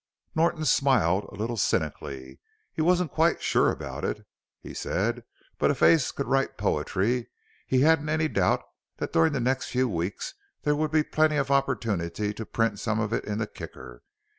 Norton smiled, a little cynically. He wasn't quite sure about it, he said, but if Ace could write poetry he hadn't any doubt that during the next few weeks there would be plenty of opportunity to print some of it in the Kicker.